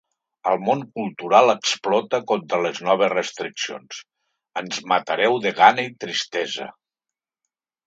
El món cultural explota contra les noves restriccions: ‘Ens matareu de gana i tristesa’